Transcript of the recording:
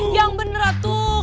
yang bener tuh